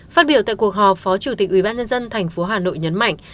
phát biểu tại cuộc họp phó chủ tịch ubnd tp hà nội nhấn mạnh